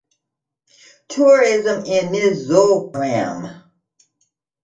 Tourism in Mizoram